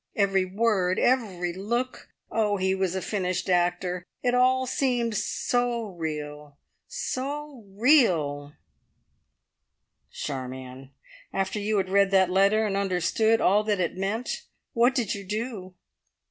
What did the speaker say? Every word every look! Oh, he was a finished actor! It all seemed so real so real " "Charmion, after you had read that letter and understood all that it meant, what did you do?"